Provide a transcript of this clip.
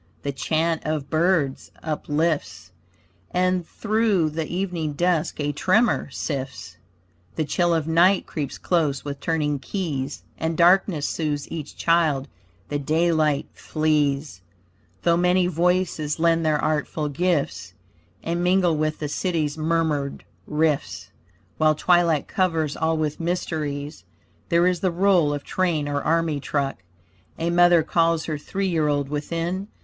The chant of birds uplifts, And through the evening dusk a tremor sifts, The chill of night creeps close with turning keys, And darkness soothes each child. The daylight flees, Though many voices lend their artful gifts, And mingle with the city's murmured rifts. While twilight covers all with mysteries, There is the roll of train or army truck; A mother calls her three year old within.